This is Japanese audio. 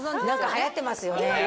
何かはやってますよね